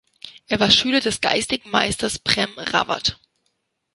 Er war Schüler des geistigen Meisters Prem Rawat.